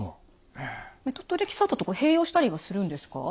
メトトレキサートと併用したりはするんですか？